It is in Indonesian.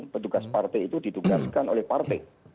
pendugas partai itu didugaskan oleh partai